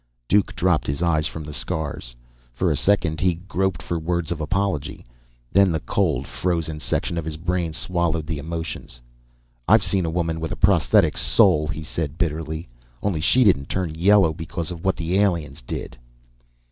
Duke dropped his eyes from the scars. For a second, he groped for words of apology. Then the cold, frozen section of his brain swallowed the emotions. "I've seen a woman with a prosthetic soul," he said bitterly. "Only she didn't turn yellow because of what the aliens did!"